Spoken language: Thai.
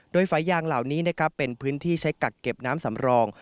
โดยฝายางเหล่านี้นะครับเป็นพื้นที่ใช้กักเก็บน้ำสำรอง